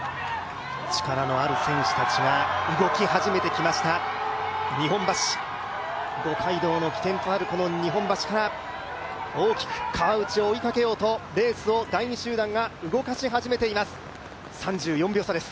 力のある選手たちが動き始めてきました、日本橋、五街道の起点となるこの日本橋から大きく、川内を追いかけようとレースを第２集団が動かし始めています。